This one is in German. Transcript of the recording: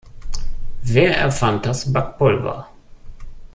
Wer erfand das Backpulver?